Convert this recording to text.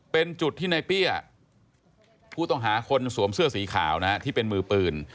เป็นจุดที่ในเปี้ยผู้ต้องหาคนสวมเสื้อสีขาวนะฮะที่เป็นมือปืน